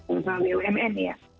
untuk wumn ya